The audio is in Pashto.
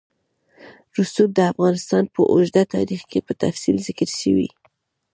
رسوب د افغانستان په اوږده تاریخ کې په تفصیل ذکر شوی.